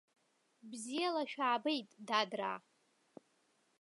Бзиала шәаабеит, дадраа!